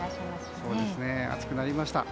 暑くなりました。